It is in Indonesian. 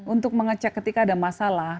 untuk mengecek ketika ada masalah